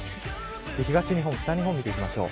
東日本、北日本見ていきましょう。